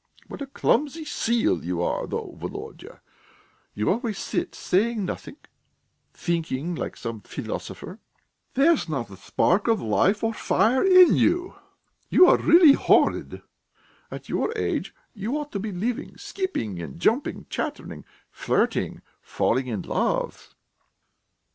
What a clumsy seal you are though, Volodya! You always sit, saying nothing, thinking like some philosopher. There's not a spark of life or fire in you! You are really horrid!... At your age you ought to be living, skipping, and jumping, chattering, flirting, falling in love."